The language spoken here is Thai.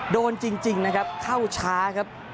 โดนจริงนะครับเข้าช้าครับ